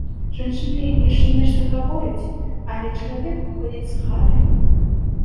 Жанчына яшчэ нешта гаворыць, але чалавек выходзіць з хаты.